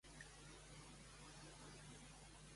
Quin aspecte consideren mandat?